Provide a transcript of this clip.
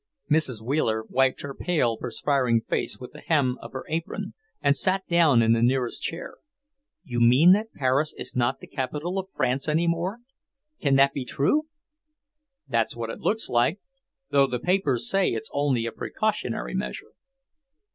Mrs. Wheeler wiped her pale, perspiring face with the hem of her apron and sat down in the nearest chair. "You mean that Paris is not the capital of France any more? Can that be true?" "That's what it looks like. Though the papers say it's only a precautionary measure."